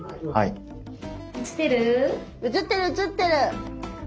映ってる映ってる。